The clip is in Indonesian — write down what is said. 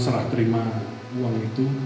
salah terima uang itu